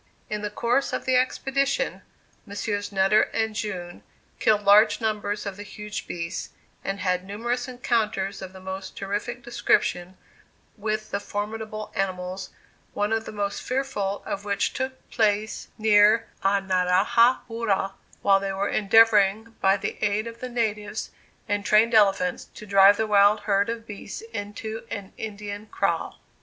In the course of the expedition, Messrs. Nutter and June killed large numbers of the huge beasts, and had numerous encounters of the most terrific description with the formidable animals, one of the most fearful of which took place near Anarajah Poora, while they were endeavoring, by the aid of the natives and trained elephants, to drive the wild herd of beasts into an Indian kraal.